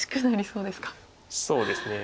そうですね。